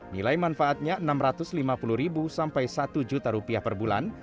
nilai manfaatnya rp enam ratus lima puluh sampai rp satu juta perbulan